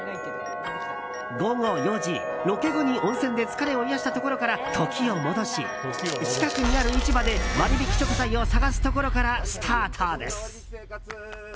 午後４時、ロケ後に温泉で疲れを癒やしたところから時を戻し近くにある市場で、割引食材を探すところからスタートです。